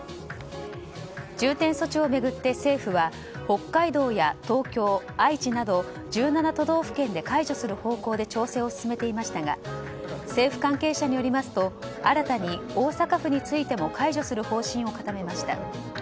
重点措置を巡って政府は北海道や東京、愛知など１７都道府県で解除する方向で調整を進めていましたが政府関係者によりますと新たに大阪府についても解除する方針を固めました。